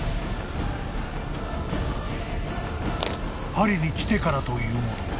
［パリに来てからというもの